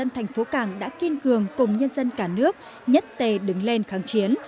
dân thành phố cảng đã kiên cường cùng nhân dân cả nước nhất tề đứng lên kháng chiến